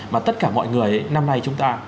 mà tất cả mọi người năm nay chúng ta